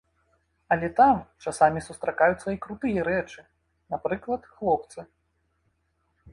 Але там часамі сустракаюцца і крутыя рэчы, напрыклад, хлопцы.